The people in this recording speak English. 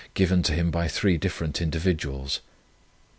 given to him by three different individuals.